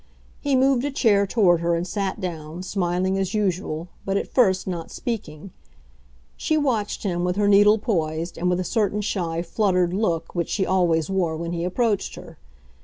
He moved a chair toward her and sat down, smiling as usual, but, at first, not speaking. She watched him, with her needle poised, and with a certain shy, fluttered look which she always wore when he approached her.